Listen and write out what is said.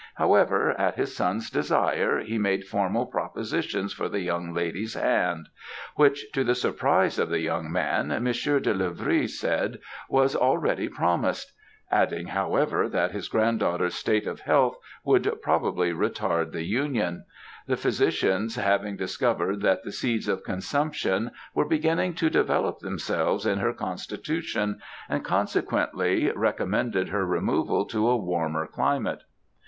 However, at his son's desire, he made formal propositions for the young lady's hand; which, to the surprise of the young man, Monsieur de Livry said, was already promised; adding, however, that his granddaughter's state of health would, probably, retard the union; the physicians having discovered that the seeds of consumption were beginning to develope themselves in her constitution, and, consequently, recommended her removal to a warmer climate.